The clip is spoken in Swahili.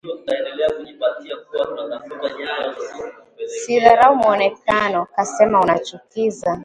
Sidharau muonekano, kasema unachukiza